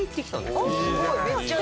すごい。